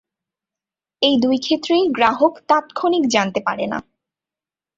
এই দুই ক্ষেত্রেই গ্রাহক তাৎক্ষনিক জানতে পারে না।